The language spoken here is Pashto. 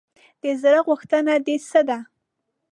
د زړه غوښتنه دې څه ده ؟